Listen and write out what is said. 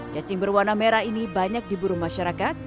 cacing berwarna merah ini banyak diburu masyarakat